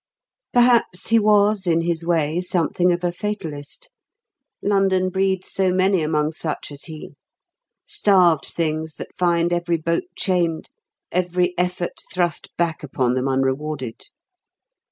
Perhaps he was, in his way, something of a fatalist London breeds so many among such as he: starved things that find every boat chained, every effort thrust back upon them unrewarded.